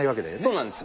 そうなんです。